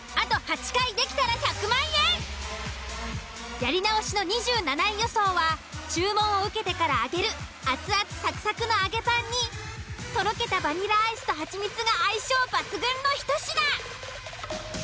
やり直しの２７位予想は注文を受けてから揚げる熱々サクサクの揚げパンにとろけたバニラアイスとはちみつが相性抜群のひと品。